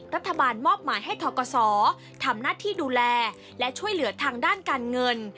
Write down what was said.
รัฐบาลมอบหมายให้ทกศทำหน้าที่ดูแลและช่วยเหลือทางด้านการเงิน